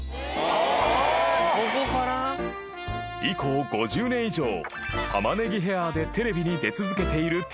［以降５０年以上タマネギヘアでテレビに出続けている徹子さん］